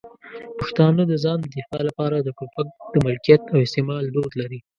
پښتانه د ځان د دفاع لپاره د ټوپک د ملکیت او استعمال دود لري.